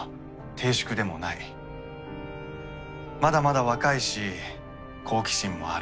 まだまだ若いし好奇心もある。